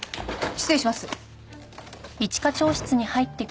失礼します。